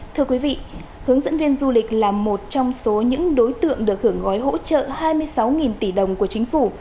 thưa quý vị hướng dẫn viên du lịch là một trong số những đối tượng được hưởng gói hỗ trợ hai mươi sáu tỷ đồng của chính phủ